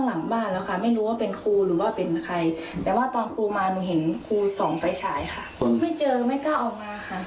แล้วคืนนี้จะทำยังไงครับ